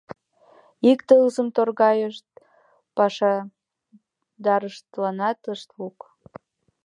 Ик тылзым торгайышт — пашадарыштланат ышт лук.